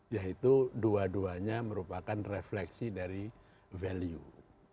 yaitu dua duanya merupakan refleksi dari value